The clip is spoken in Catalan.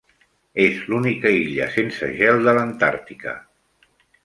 És l'única illa sense gel de l'Antàrtica.